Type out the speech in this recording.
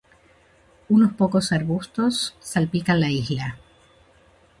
Unos pocos arbustos salpican la isla.